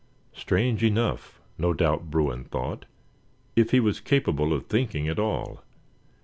Strange enough, no doubt Bruin thought, if he was capable of thinking at all.